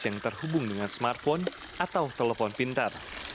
yang terhubung dengan smartphone atau telepon pintar